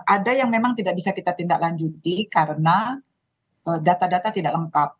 ada yang memang tidak bisa kita tindak lanjuti karena data data tidak lengkap